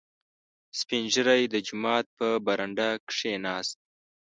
• سپین ږیری د جومات په برنډه کښېناست.